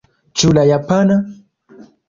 Ĉu la japana?